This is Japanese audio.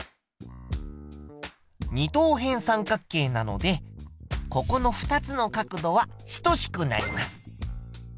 二等辺三角形なのでここの２つの角度は等しくなります。